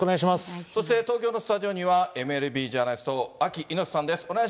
そして東京のスタジオにはＭＬＢジャーナリストのアキ猪瀬さんです。